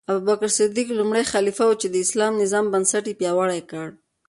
ابوبکر صدیق لومړی خلیفه و چې د اسلامي نظام بنسټ یې پیاوړی کړ.